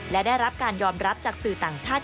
และได้รับการยอมรับจากสื่อต่างชาติ